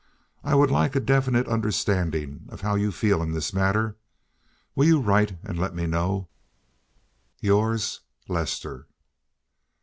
I would like a definite understanding of how you feel in this matter. Will you write and let me know? "Yours, "LESTER."